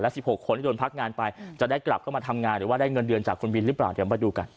สิบหกคนที่โดนพักงานไปจะได้กลับเข้ามาทำงานหรือว่าได้เงินเดือนจากคุณบินหรือเปล่าเดี๋ยวมาดูกัน